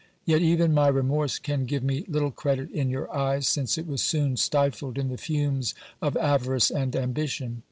Yet even my remorse can give me little credit in your eyes, since it was soon stifled in the fumes of avarice and ambition.